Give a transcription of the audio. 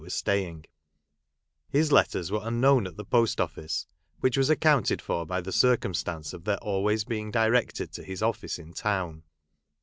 was staying ; his letters were unknown at the Post office, which was ac counted for by the circumstance of their always being directed to his office in town.